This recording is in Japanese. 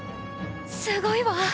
「すごいわ」。